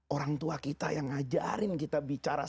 orang tua kita yang mengajarkan kita berbicara